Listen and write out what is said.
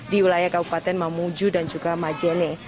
di wilayah kabupaten mamuju dan juga majene